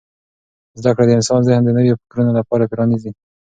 زده کړه د انسان ذهن د نویو فکرونو لپاره پرانیزي.